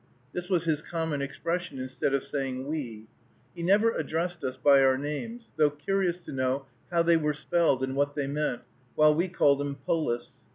This was his common expression instead of saying "we." He never addressed us by our names, though curious to know how they were spelled and what they meant, while we called him Polis.